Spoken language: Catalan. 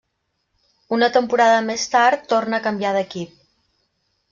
Una temporada més tard torna a canviar d'equip.